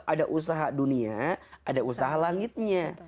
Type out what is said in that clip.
ada usaha dunia ada usaha langitnya